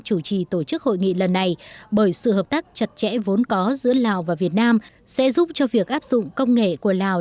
chủ trì tổ chức hội nghị lần này bởi sự hợp tác chặt chẽ vốn có giữa lào và việt nam sẽ giúp cho việc áp dụng công nghệ của lào